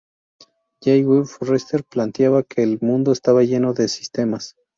Jay W. Forrester planteaba que el mundo estaba lleno de sistemas.